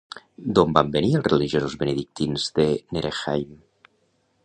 D'on van venir els religiosos benedictins de Neresheim?